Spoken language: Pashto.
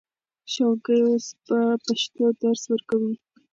ښوونکي اوس په پښتو درس ورکوي.